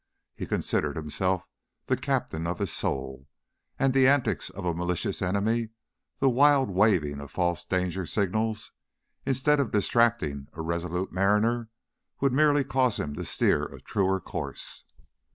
He considered himself the captain of his soul, and the antics of a malicious enemy, the wild waving of false danger signals, instead of distracting a resolute mariner, would merely cause him to steer a truer course.